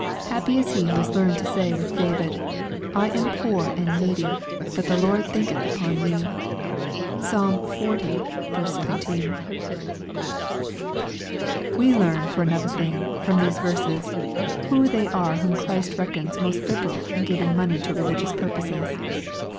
Happy is he who haisi JJ52 EXPOSITORY THOUGHTS. learned to say with David, " I am poor and needy ; but the Lord thinketh upon me." (Psalm xL 17.) We learn, for another thing, from these verses, who they are whom Christ reckons most liber alin giving money to religioua purposes.